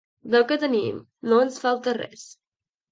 Del que tenim, no ens falta res.